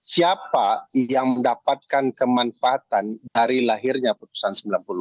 siapa yang mendapatkan kemanfaatan dari lahirnya putusan sembilan puluh empat